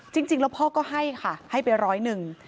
จริงแล้วพ่อก็ให้ค่ะให้ไปร้อยหนึ่ง